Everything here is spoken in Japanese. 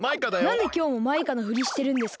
なんできょうもマイカのふりしてるんですか？